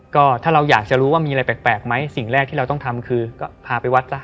ก็ถ้าเราอยากจะรู้ว่ามีอะไรแปลกไหมสิ่งแรกที่เราต้องทำคือก็พาไปวัดซะ